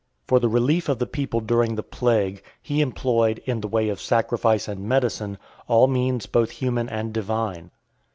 For the relief of the people during the plague, he employed, in the way of sacrifice and medicine, all means both human and divine.